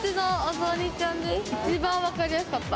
一番分かりやすかった！